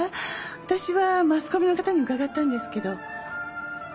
私はマスコミの方に伺ったんですけど。